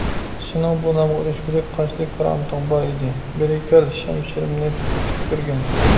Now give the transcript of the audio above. سېنىڭ بۇ نامغا ئېرىشكۈدەك قانچىلىك كارامىتىڭ بـار ئىـدى؟ بېـرى كـەل، شەمـشىـرىمـنى تېتىپ كۆرگىن!